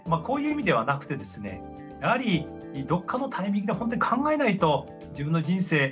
こういう意味ではなくてですねやはりどこかのタイミングで本当に考えないと自分の人生